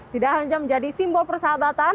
tidak hanya menjadi simbol persahabatan